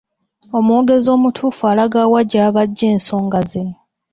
Omwogezi omutuufu alaga wa gy'aba aggye ensonga ze.